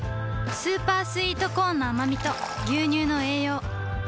スーパースイートコーンのあまみと牛乳の栄養